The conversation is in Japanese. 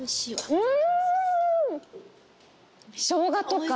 うん！